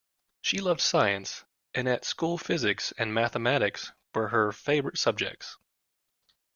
She loved science, and at school physics and mathematics were her favourite subjects